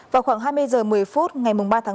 vào khoảng hai mươi h một mươi phút ngày ba tháng một mươi